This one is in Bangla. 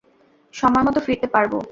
সময়মত ফিরতে পারব?